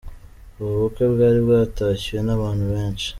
Ubu bukwe bwari bwatashywe n'abantu benshi.